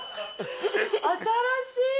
新しい。